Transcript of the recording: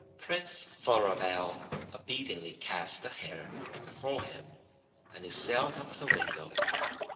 Prince Floribel obediently cast the hair before him, and it sailed out of the window.